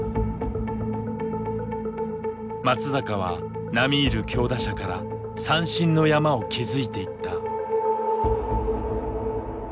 松坂は並みいる強打者から三振の山を築いていった。